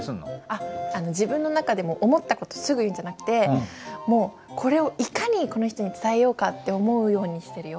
あっ自分の中でも思った事すぐ言うんじゃなくてもうこれをいかにこの人に伝えようかって思うようにしてるよ。